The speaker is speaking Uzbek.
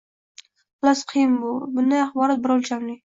Xullas – qiyin bu – bunday axborot «bir o‘lchamli».